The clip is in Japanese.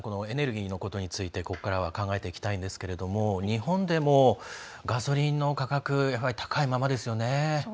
エネルギーのことについて考えていきたいんですけれども日本でもガソリンの価格高いままですよね。